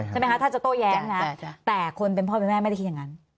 ใช่ไหมคะถ้าจะโต้แย้งนะแต่คนเป็นพ่อเป็นแม่ไม่ได้คิดอย่างนั้น